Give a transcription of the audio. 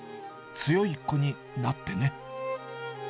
強い子になってね。